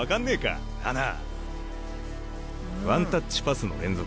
ワンタッチパスの連続。